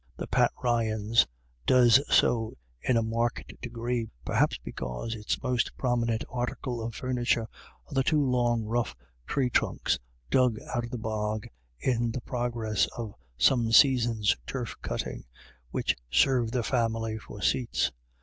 The Pat Ryans' does so in a marked degree, perhaps because its most prominent articles of furniture are the two long rough tree trunks, dug out of the bog in the progress of some season's turf cutting, which serve the family for seats.